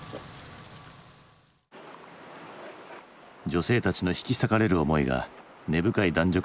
女性たちの引き裂かれる思いが根深い男女